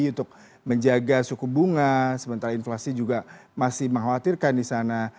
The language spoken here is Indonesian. untuk menjaga suku bunga sementara inflasi juga masih mengkhawatirkan di sana